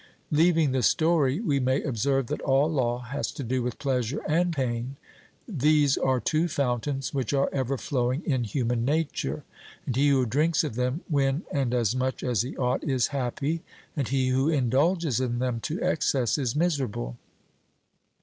Leaving the story, we may observe that all law has to do with pleasure and pain; these are two fountains which are ever flowing in human nature, and he who drinks of them when and as much as he ought, is happy, and he who indulges in them to excess, is miserable.